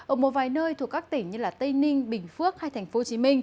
ở một vài nơi thuộc các tỉnh như tây ninh bình phước hay tp hcm